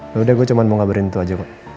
ya udah gue cuma mau ngabarin itu aja kok